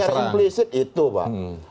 secara implicit itu pak